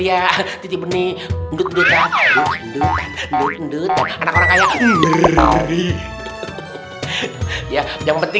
iya buat apa kalau padeh begini